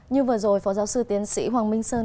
như vừa rồi phó giáo sư tiến sĩ hoàng minh sơn